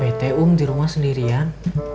pt um di rumah sendirian